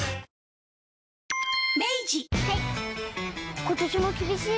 はい。